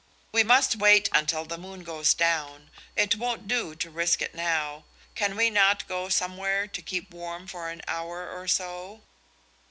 "We must wait until the moon goes down. It won't do to risk it now. Can we not go somewhere to keep warm for an hour or so?"